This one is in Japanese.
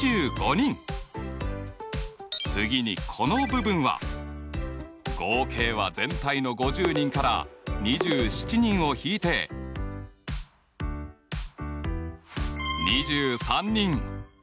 次にこの部分は合計は全体の５０人から２７人を引いて２３人。